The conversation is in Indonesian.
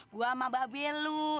gua sama babelu